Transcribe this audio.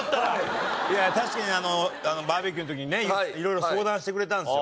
いや確かにバーベキューの時にね色々相談してくれたんですよ。